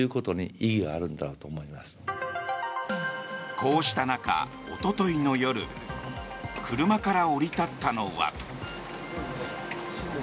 こうした中、おとといの夜車から降り立ったのは。